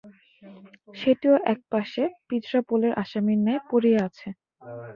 সেটিও একপাশে পিজরাপোলের আসামীর ন্যায় পড়িয়া আছে।